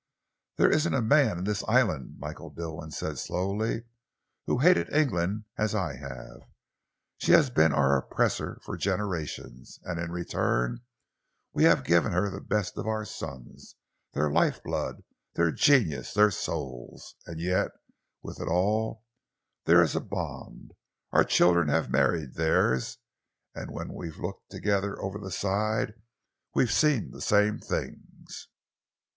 "There isn't a man in this island," Michael Dilwyn said slowly, "who has hated England as I have. She has been our oppressor for generations, and in return we have given her the best of our sons, their life blood, their genius, their souls. And yet, with it all there is a bond. Our children have married theirs, and when we've looked together over the side, we've seen the same things.